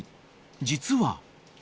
［実は］